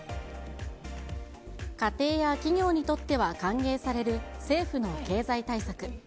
家庭や企業にとっては歓迎される政府の経済対策。